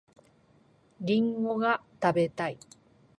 りんごが食べたい